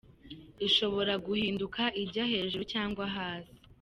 Ishobora guhinduka ijya hejuru cyangwa hasi.